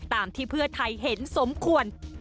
ตามที่เพื่อไทยเห็นสมควร